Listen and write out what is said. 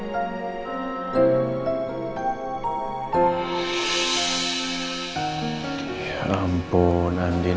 ya ampun andin